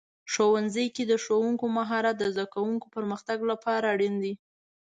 ښوونځي کې د ښوونکو مهارت د زده کوونکو پرمختګ لپاره اړین دی.